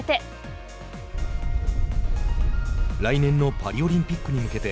パリオリンピックに向けて。